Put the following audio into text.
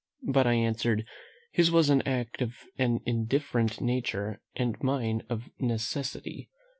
but I answered, "His was an act of an indifferent nature, and mine of necessity."